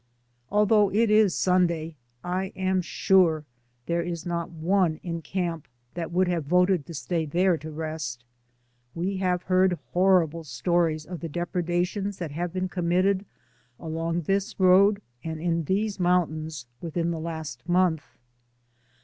Although it is Sunday, I am sure there is not one in camp that would have voted to stay there to rest. We have DAYS ON THE ROAD. 151 heard horrible stories of the depredations that have been committed along this road and in these mountains within the last month.